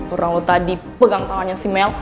orang lo tadi pegang tangannya si mel